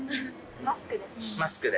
マスクで？